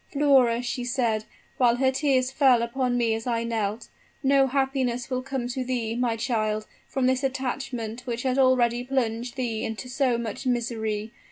"'Flora,' she said, while her tears fell upon me as I knelt, 'no happiness will come to thee, my child, from this attachment which has already plunged thee into so much misery.